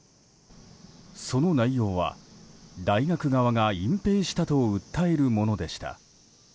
その内容は、大学側が隠蔽したと訴えるものでした。